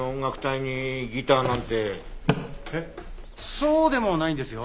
そうでもないんですよ。